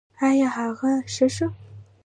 ایا هغه ښه شو؟